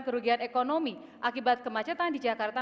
kerugian ekonomi akibat kemacetan di jakarta